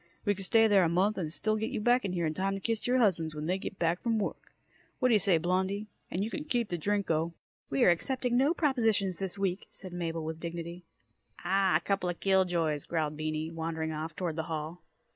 We could stay there a month, and still get you back here in time to kiss your husbands when they get in from work. Whaddya say, Blondie? And you can keep the Drinko!" "We are accepting no propositions this week," said Mabel with dignity. "Ah h, a coupla kill joys," growled Beany, wandering off toward the hall.